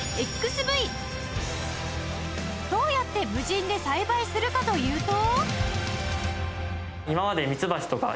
どうやって無人で栽培するかというと